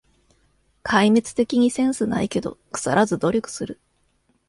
壊滅的にセンスないけど、くさらず努力する